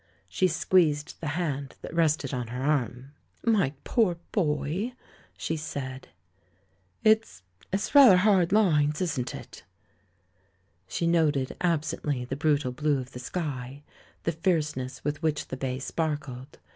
She squeezed the hand that rested on her arm. "My poor boy!" she said. "It's — it's rather hard lines, isn't it?" She noted absently the brutal blue of the sky, the fierceness with which the bay sparkled.